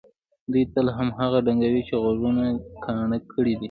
دوی تل هماغه ډنګوي چې غوږونه کاڼه کړي دي.